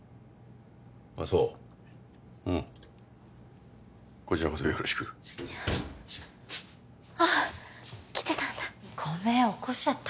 あそううんこちらこそよろしくああ来てたんだごめん起こしちゃった？